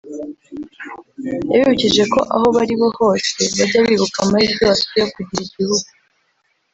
yabibukije ko aho bari hose bajya bibuka amahirwe bafite yo kugira igihugu